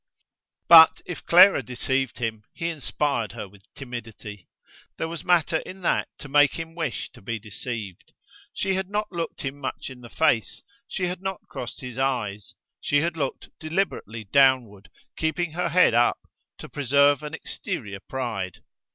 But if Clara deceived him, he inspired her with timidity. There was matter in that to make him wish to be deceived. She had not looked him much in the face: she had not crossed his eyes: she had looked deliberately downward, keeping her head up, to preserve an exterior pride.